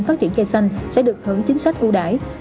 các dự án phát triển cây xanh sẽ được hưởng chính sách ưu đải